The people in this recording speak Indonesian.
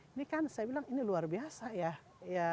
ini kan saya bilang ini luar biasa ya